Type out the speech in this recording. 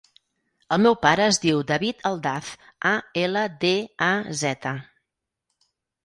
El meu pare es diu David Aldaz: a, ela, de, a, zeta.